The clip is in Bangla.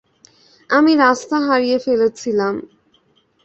আমি রাস্তা হারিয়ে ফেলেছিলাম।